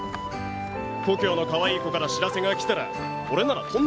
故郷のかわいい子から知らせが来たら俺なら飛んで帰る。